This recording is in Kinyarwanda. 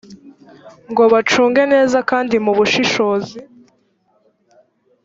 ngo bacunge neza kandi mu bushishozi